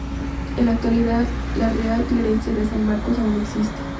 En la actualidad la Real Clerecía de San Marcos aún existe.